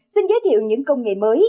xin giới thiệu những công nghệ mới